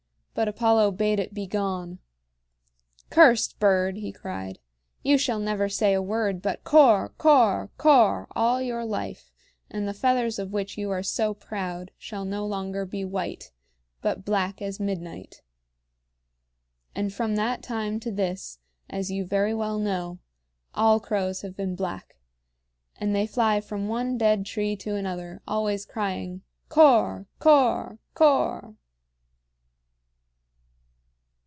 But Apollo bade it begone. "Cursed bird," he cried, "you shall never say a word but 'Cor Cor Cor!' all your life; and the feathers of which you are so proud shall no longer be white, but black as midnight." And from that time to this, as you very well know, all crows have been black; and they fly from one dead tree to another, always crying, "Cor cor cor!"